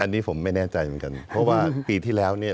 อันนี้ผมไม่แน่ใจเหมือนกันเพราะว่าปีที่แล้วเนี่ย